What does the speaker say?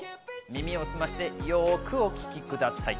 耳を澄まして、よくお聴きください。